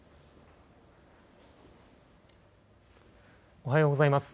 おはようございます。